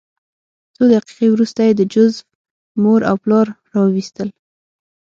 څو دقیقې وروسته یې د جوزف مور او پلار راوویستل